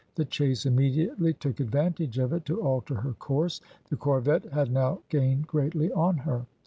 The chase immediately took advantage of it to alter her course. The corvette had now gained greatly on her.